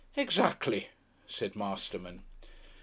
"Exactly," said Masterman.